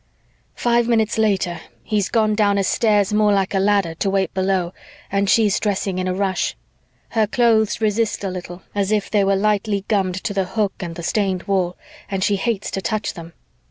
"Five minutes later, he's gone down a stairs more like a ladder to wait below and she's dressing in a rush. Her clothes resist a little, as if they were lightly gummed to the hook and the stained wall, and she hates to touch them.